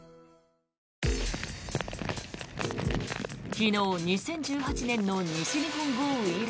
昨日２０１８年の西日本豪雨以来